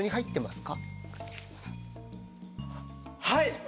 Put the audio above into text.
はい！